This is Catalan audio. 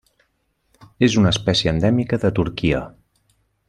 És una espècie endèmica de Turquia.